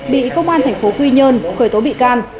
bị công an tp quy nhơn khởi tố bị can